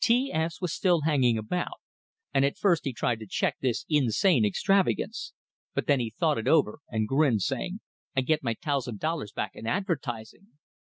T S was still hanging about, and at first he tried to check this insane extravagance, but then he thought it over and grinned, saying, "I git my tousand dollars back in advertising!"